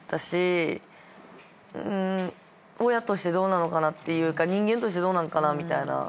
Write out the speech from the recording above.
親としてどうなのかなっていうか人間としてどうなんかな。